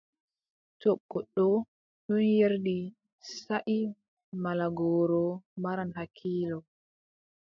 To goɗɗo ɗon yerdi saaʼi malla gooro, maran hakkiilo.